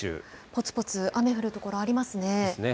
ぽつぽつ、雨降る所ありますね。ですね。